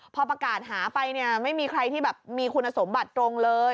พอประกาศหาไปเนี่ยไม่มีใครที่แบบมีคุณสมบัติตรงเลย